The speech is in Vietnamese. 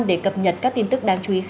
để cập nhật các tin tức đáng chú ý